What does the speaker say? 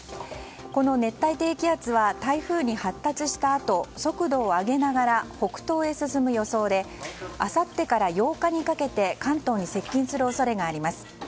この熱帯低気圧は台風に発達したあと速度を上げながら北東へ進む予想であさってから８日にかけて関東に接近する恐れがあります。